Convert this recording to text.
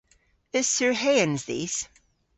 Eus surheans dhis?